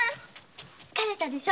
疲れたでしょ